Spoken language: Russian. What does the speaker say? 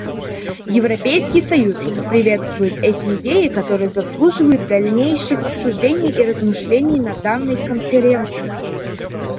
Европейский союз приветствует эти идеи, которые заслуживают дальнейших обсуждений и размышлений на данной Конференции.